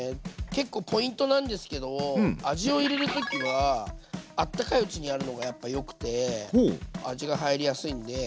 結構ポイントなんですけど味を入れる時はあったかいうちにやるのがやっぱよくて味が入りやすいんで。